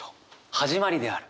「始まりである」。